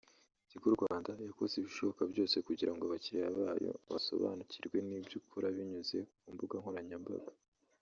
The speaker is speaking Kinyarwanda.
Tigo Rwanda yakoze ibishoboka byose kugira ngo abakiriya bayo basobanukirwe n’ibyo ikora binyuze ku mbuga nkoranyamabaga